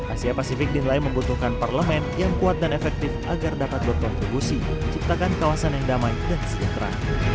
asia pasifik dinilai membutuhkan parlemen yang kuat dan efektif agar dapat berkontribusi menciptakan kawasan yang damai dan sejahtera